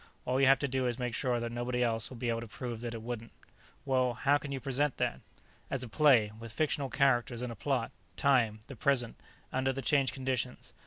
All you have to do is make sure that nobody else would be able to prove that it wouldn't." "Well, how could you present that?" "As a play, with fictional characters and a plot; time, the present, under the changed conditions.